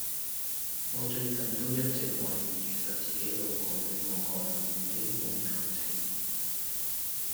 我最近都一直懷疑其實自己老婆對我可能已經無感情